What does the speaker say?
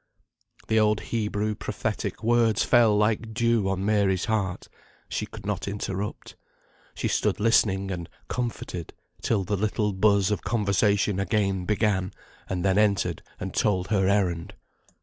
The old Hebrew prophetic words fell like dew on Mary's heart. She could not interrupt. She stood listening and "comforted," till the little buzz of conversation again began, and then entered and told her errand.